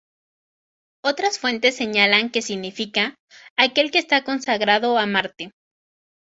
Otras fuentes señalan que significa "aquel que está consagrado a Marte".